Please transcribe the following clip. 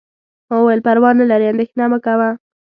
ما وویل: پروا نه لري، اندیښنه مه کوه.